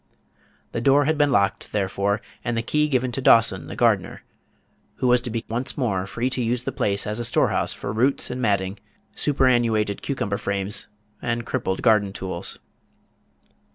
The door had been locked, therefore, and the key given to Dawson, the gardener, who was to be once more free to use the place as a storehouse for roots and matting, superannuated cucumber frames, and crippled garden tools.